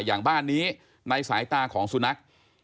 อย่างบ้านนี้ในสายตาของสุนัข